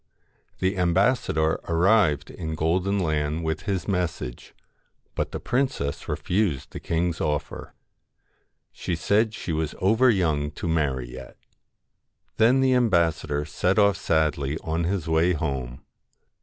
The ambassador arrived in Golden Land with his message, but the princess refused the king's offer. She said she was over young to marry yet Then the ambassador set off sadly on his way home.